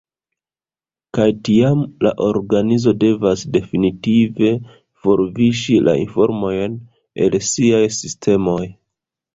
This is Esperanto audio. Kaj tiam la organizo devas definitive forviŝi la informojn el siaj sistemoj.